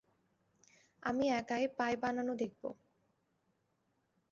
আমি একাই পাই বানানো দেখব।